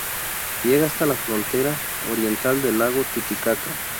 Llega hasta la frontera oriental del lago Titicaca.